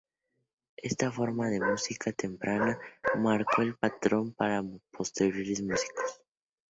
Esta forma de música temprana marcó el patrón para posteriores músicos.